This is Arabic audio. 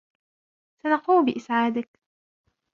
سنقوم باسعادك.